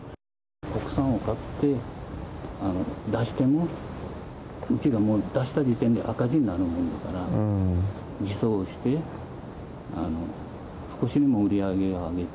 国産を買って出しても、うちが出した時点で赤字になるもんだから、偽装して、少しでも売り上げを上げて。